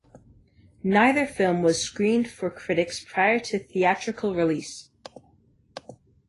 Neither film was screened for critics prior to theatrical release.